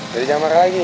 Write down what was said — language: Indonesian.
jadi jangan marah lagi